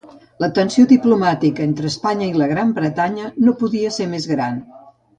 La tensió diplomàtica entre Espanya i la Gran Bretanya no podia ser més gran.